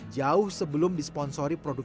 jauh sebelum disponsori produk